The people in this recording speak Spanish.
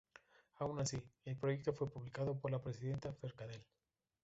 Aun así, el proyecto fue publicado por la presidenta Forcadell.